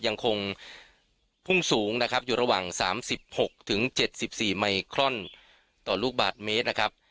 ยังคงพุ่งสูงนะครับอยู่ระหว่างสามสิบหกถึงเจ็ดสิบสี่ไมครอนต่อลูกบาทเมตรนะครับ